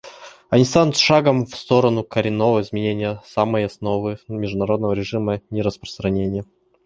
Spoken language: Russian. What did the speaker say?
Они станут шагом в сторону коренного изменения самой основы международного режима нераспространения.